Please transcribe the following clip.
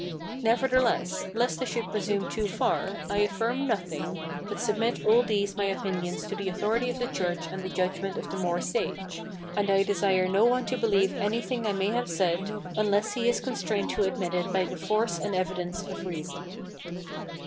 Nevertheless, lest I should presume too far, I affirm nothing, but submit all these my opinions to the authority of the church and the judgment of the more sage; and I desire no one to believe anything I may have said, unless he is constrained to admit it by the force and evidence of reason.